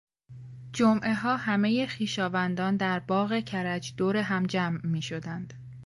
جمعهها همهی خویشاوندان در باغ کرج دور هم جمع میشدند.